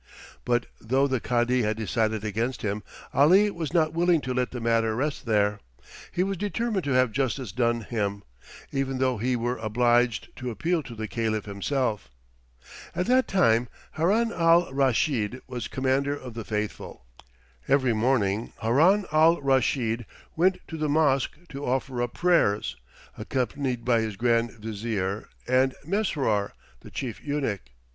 But though the Cadi had decided against him, Ali was not willing to let the matter rest there. He was determined to have justice done him, even though he were obliged to appeal to the Caliph himself. At that time Haroun al Raschid was Commander of the Faithful. Every morning Haroun al Raschid went to the mosque to offer up prayers, accompanied by his Grand Vizier and Mesrour the Chief Eunuch.